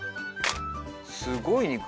すごい肉。